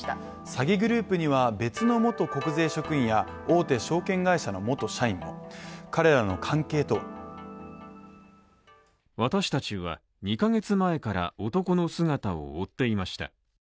詐欺グループには別の元国税職員や大手証券会社の元社員も、彼らの関係とは私達は２ヶ月前から男の姿を追っていました。